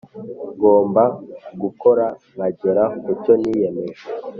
Ngomba gukora nkagera kucyo niyemeje